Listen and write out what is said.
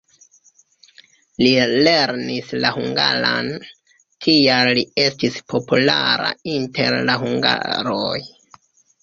Li lernis la hungaran, tial li estis populara inter la hungaroj.